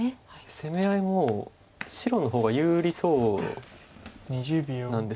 攻め合いも白の方が有利そうなんです。